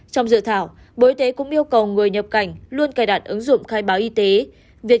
trong dự thảo bộ y tế cũng yêu cầu người nhập cảnh luôn cài đặt ứng dụng khai báo y tế